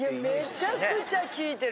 めちゃくちゃ聞いてる。